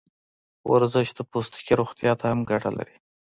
ورزش د پوستکي روغتیا ته هم ګټه لري.